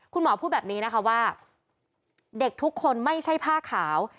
คุณหมอพูดแบบนี้นะคะว่าเด็กทุกคนไม่ใช่ผ้าขาว